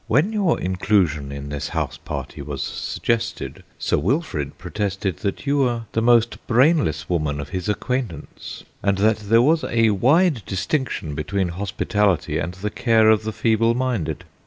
"When your inclusion in this house party was suggested Sir Wilfrid protested that you were the most brainless woman of his acquaintance, and that there was a wide distinction between hospitality and the care of the feeble minded.